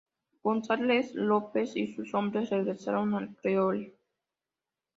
González, López y sus hombres regresaron al "Creole".